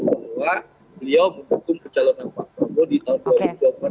bahwa beliau mendukung pencalonan pak prabowo di tahun dua ribu dua puluh empat